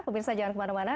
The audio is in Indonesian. pemirsa jangan kemana mana